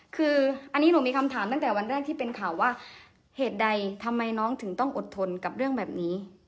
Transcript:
คืออันนี้หนูมีคำถามตั้งแต่วันแรกที่เป็นข่าวว่าเหตุใดทำไมน้องถึงต้องอดทนกับเรื่องแบบนี้